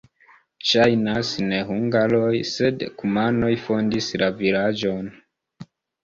Ŝajnas, ne hungaroj, sed kumanoj fondis la vilaĝon.